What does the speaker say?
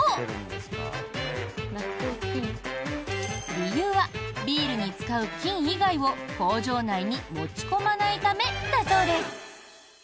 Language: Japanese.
理由は、ビールに使う菌以外を工場内に持ち込まないためだそうです。